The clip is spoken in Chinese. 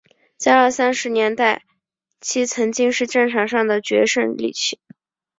在二三十年代时期曾经是战场上的决胜利器。